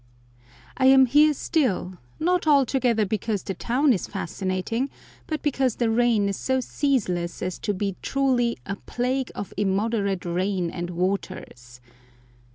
I AM here still, not altogether because the town is fascinating, but because the rain is so ceaseless as to be truly "a plague of immoderate rain and waters."